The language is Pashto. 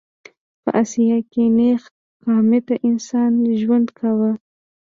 په اسیا کې نېغ قامته انسان ژوند کاوه.